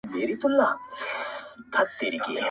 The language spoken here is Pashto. د قسمت پر تور اورغوي هره ورځ ګورم فالونه.!